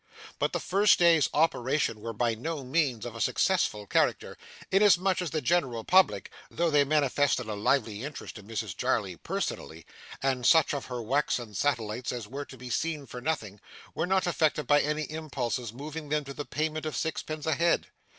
But the first day's operations were by no means of a successful character, inasmuch as the general public, though they manifested a lively interest in Mrs Jarley personally, and such of her waxen satellites as were to be seen for nothing, were not affected by any impulses moving them to the payment of sixpence a head.